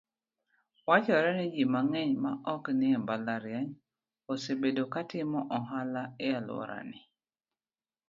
Wachore ni ji mang'eny ma oknie mbalariany, osebedo katimo ohala ealworani.